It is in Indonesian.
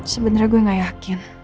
sebenernya gue gak yakin